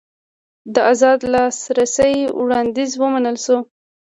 د ازاد لاسرسي وړاندیز ومنل شو.